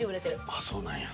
あっそうなんや。